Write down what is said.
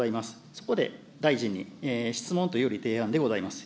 そこで大臣に質問というより提案でございます。